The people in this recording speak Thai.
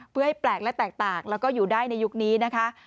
เพื่อให้แปลกและแตกต่างแล้วก็อยู่ได้ในยุคนี้นะคะ